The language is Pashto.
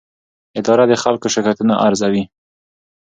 اداره د خلکو شکایتونه ارزوي.